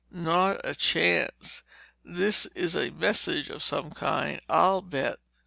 "Not a chance. This is a message of some kind, I'll bet!"